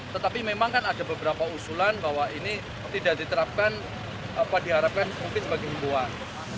tetapi memang kan ada beberapa usulan bahwa ini tidak diterapkan apa diharapkan mungkin sebagai himbuan